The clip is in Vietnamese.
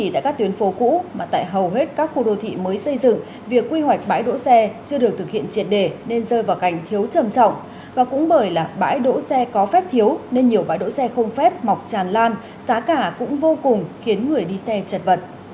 tất cả cũng vô cùng khiến người đi xe chật vật